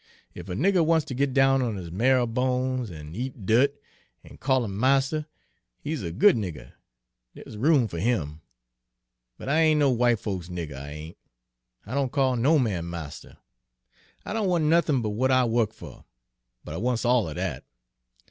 Ef a nigger wants ter git down on his marrow bones, an' eat dirt, an' call 'em 'marster,' he's a good nigger, dere's room fer him. But I ain' no w'ite folks' nigger, I ain'. I don' call no man 'marster.' I don' wan' nothin' but w'at I wo'k fer, but I wants all er dat.